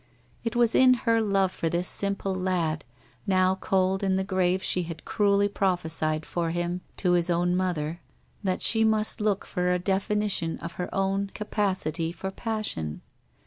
It was in her love for this simple lad, now cold in the grave she had cruelly prophesied for him to his own mother, that she must look for a definition of her own capacity for passion.